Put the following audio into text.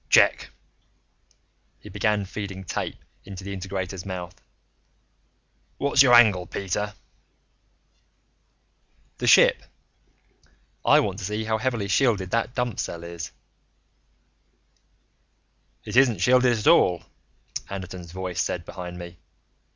"Check." He began feeding tape into the integrator's mouth. "What's your angle, Peter?" "The ship. I want to see how heavily shielded that dump cell is." "It isn't shielded at all," Anderton's voice said behind me.